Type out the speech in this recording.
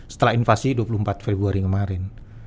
setelah invasi dua puluh empat februari kemarin